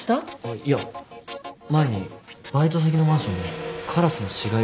いや前にバイト先のマンションでカラスの死骸が落ちてて。